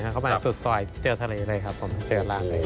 เข้ามาสุดซอยเจอทะเลเลยครับผมเจอรางเลย